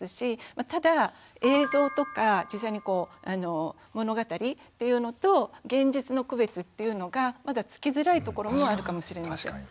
ただ映像とか物語っていうのと現実の区別っていうのがまだつきづらいところもあるかもしれません。